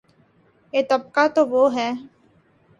یہ طبقہ تو وہ ہے۔